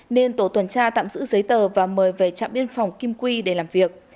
nên tổ tuần tra tạm giữ giấy tờ và mời về trạm biên phòng kim quy để làm việc